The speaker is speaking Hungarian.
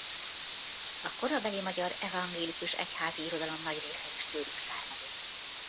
A korabeli magyar evangélikus egyházi irodalom nagy része is tőlük származik.